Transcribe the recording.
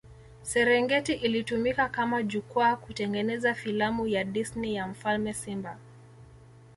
Serengeti ilitumika kama jukwaa kutengeneza filamu ya Disney ya mfalme simba